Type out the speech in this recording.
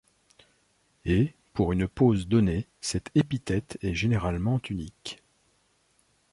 Et, pour une pause donnée, cette épithète est généralement unique.